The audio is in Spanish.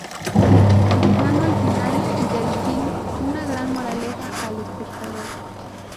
Dejando al final del "film", una gran moraleja al espectador.